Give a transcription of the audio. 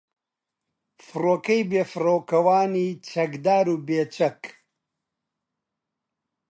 فۆرکەی بێفڕۆکەوانی چەکدار و بێچەک